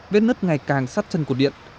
viết nứt ngày càng sắt chân cột điện